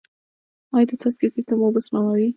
آیا د څاڅکي سیستم اوبه سپموي؟